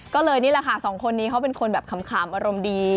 ก็เลยนี่แหละค่ะสองคนนี้เขาเป็นคนแบบขำอารมณ์ดี